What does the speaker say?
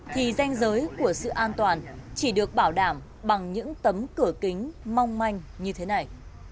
thì danh giới của sự an toàn chỉ được bảo đảm bằng những tấm cửa kính mong manh như thế này